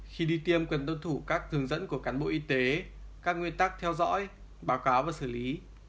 khi đi tiêm cần tuân thủ các hướng dẫn của cán bộ y tế các nguyên tắc theo dõi báo cáo và xử lý